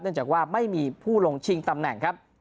จากว่าไม่มีผู้ลงชิงตำแหน่งครับ